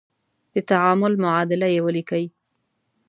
د تعامل معادله یې ولیکئ.